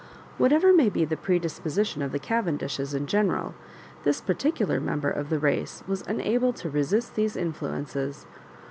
Whatever may be the predisposition of the Cavendishes in general, this particular member of the race was unable to resist these influences.